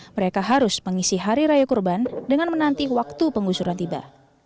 mereka harus mengisi hari raya kurban dengan menanti waktu pengusuran tiba